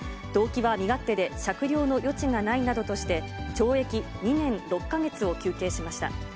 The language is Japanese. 動機は身勝手で、酌量の余地がないなどとして、懲役２年６か月を求刑しました。